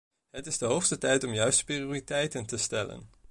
Het is de hoogste tijd om juiste prioriteiten te stellen.